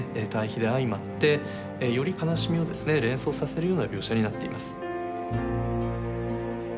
対比で相まってより悲しみを連想させるような描写になっています。